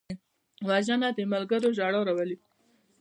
وژنه د ملګرو ژړا راولي